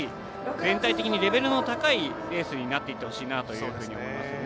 全体的にレベルの高いレースになっていってほしいなと思います。